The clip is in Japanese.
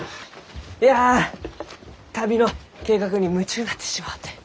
いや旅の計画に夢中になってしもうて。